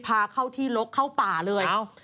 พาเข้าที่ลกเข้าป่าเลย